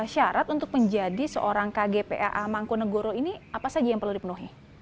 syarat untuk menjadi seorang kgpa mangkunegoro ini apa saja yang perlu dipenuhi